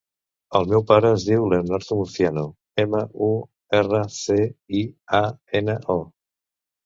El meu pare es diu Leonardo Murciano: ema, u, erra, ce, i, a, ena, o.